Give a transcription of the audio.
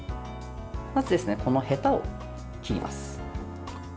まず、へたを切ります。